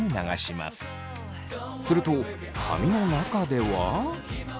すると髪の中では。